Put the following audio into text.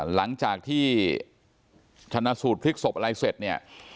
หลังจากที่ชนะสูตรพลิกศพอะไรเสร็จเนี่ย